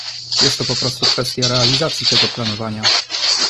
Jest to po prostu kwestia realizacji tego planowania